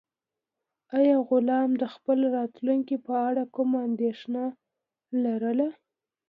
آیا غلام د خپل راتلونکي په اړه کومه اندېښنه لرله؟